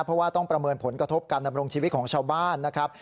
เพราะว่าต้องประเมินผลกระทบการดำรงชีวิตของชาวบ้านนะครับ